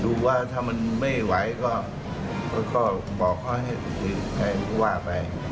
ดูว่าถ้ามันไม่ไหวก็บอกข้อให้ผู้ว่าไป